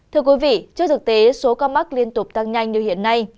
thưa quý vị trước thực tế số ca mắc liên tục tăng nhanh như hiện nay